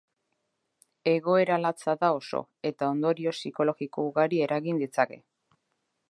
Egoera latza da oso eta ondorio psikologiko ugari eragin ditzake.